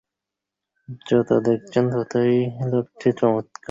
যত দেখছেন ততই লাগছে চমৎকার।